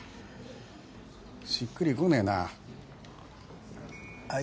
しっくりこねえなあ